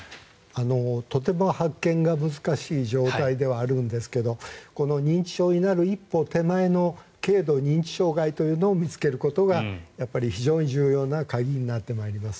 とても発見が難しい状態ではあるんですけどこの認知症になる一歩手前の軽度認知障害というのを見つけることが非常に重要な鍵になってまいります。